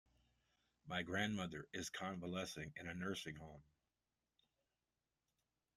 My grandmother is convalescing in a nursing home.